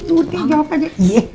udah jawab aja